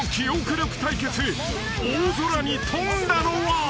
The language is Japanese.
［大空にとんだのは］